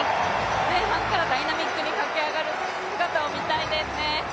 前半からダイナミックに駆け上がる姿を見たいですね。